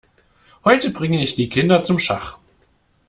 Heute bringe ich die Kinder zum Schach.